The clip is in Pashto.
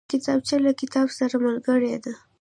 کتابچه له کتاب سره ملګرې ده